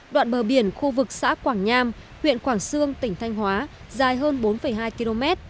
đoạn bờ biển khu vực xã quảng nham huyện quảng sương tỉnh thanh hóa dài hơn bốn hai km